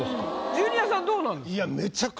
ジュニアさんどうなんですか？